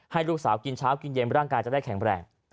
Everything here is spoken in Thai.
ให้ลูกสาวกินเช้ากินเย็นร่างกายจะได้แข็งแรง